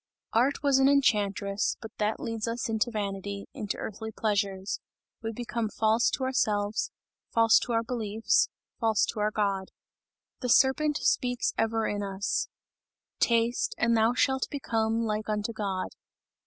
Art was an enchantress, that but leads us into vanity, into earthly pleasures. We become false to ourselves, false to our friends, false to our God. The serpent speaks ever in us: "Taste and thou shalt become like unto God."